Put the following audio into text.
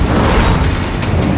ini tidak benar bersamaan ketika